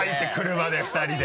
車で２人で。